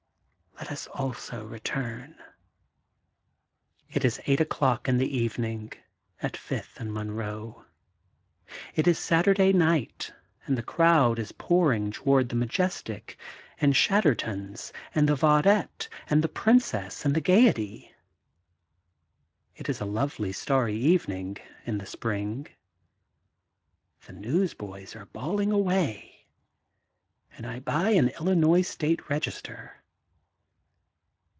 Let us also return'.'* It is eight o'clock in the evening, at Fifth and Monroe. It is Saturday night, and the THE GOLDEN BOOK OF SPRINGFIELD 829 crowd is pouring toward The Majestic, and Chatterto'n 's, and The Vaudette, and The Princess and The Gaiety. It is a lovely, starry evening, in the spring. The newsboys are bawling away, and I buy an Illinois State Register.